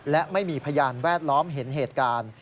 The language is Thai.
และไม่มีพยานแวดล้อมเห็นเหตุการณ์